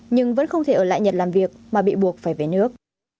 nhưng vẫn không thể ở lại nhật làm việc mà bị buộc phải về nước